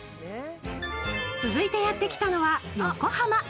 続いてやってきたのは、横浜。